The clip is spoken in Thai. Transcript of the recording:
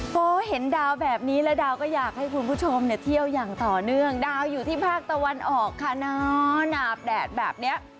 พอเห็นดาวแบบนี้แล้วดาวก็อยากให้คุณผู้ชมเที่ยวอย่างต่อเนื่องดาวอยู่ที่ภาคตะวันออกค่ะนอนหนาบแดดแบบนี้